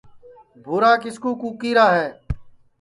بُھورا کِس کُو کُکی را ہے